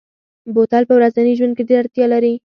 بوتل په ورځني ژوند کې ډېره اړتیا لري.